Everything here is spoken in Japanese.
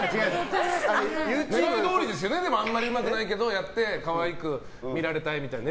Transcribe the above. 狙いどおりですよねあんまりうまくないけどやって可愛く見られたいみたいな。